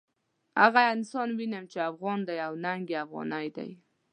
هغه انسان وینم چې افغان دی او رنګ یې افغاني دی.